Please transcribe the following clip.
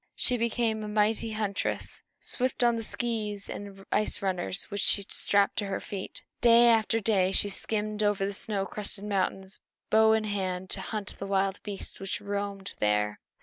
She became a mighty huntress, swift on the skees and ice runners which she strapped to her feet. Day after day she skimmed over the snow crusted mountains, bow in hand, to hunt the wild beasts which roamed there.